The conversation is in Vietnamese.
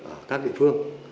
ở các địa phương